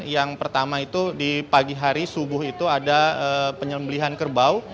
yang pertama itu di pagi hari subuh itu ada penyembelihan kerbau